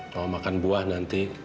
mama makan buah nanti